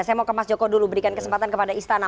saya mau ke mas joko dulu berikan kesempatan kepada istana